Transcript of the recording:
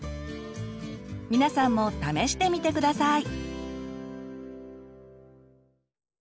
皆さんも試してみて下さい！